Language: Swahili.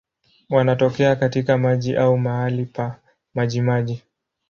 Wanatokea katika maji au mahali pa majimaji.